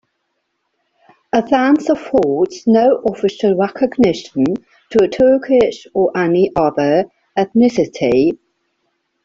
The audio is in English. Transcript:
Athens affords no official recognition to a Turkish or any other ethnicity.